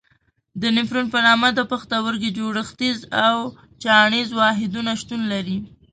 د نفرون په نامه د پښتورګي جوړښتیز او چاڼیز واحدونه شتون لري.